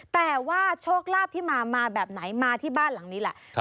แต่ว่าโชคลาภที่มามาแบบไหนมาที่บ้านหลังนี้แหละ